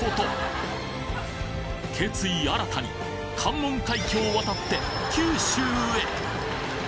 新たに関門海峡を渡って九州へ！